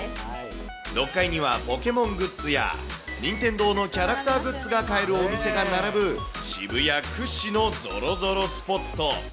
６階にはポケモングッズやニンテンドーのキャラクターグッズが買えるお店が並ぶ、渋谷屈指のぞろぞろスポット。